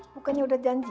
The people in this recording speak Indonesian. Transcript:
bukannya udah janji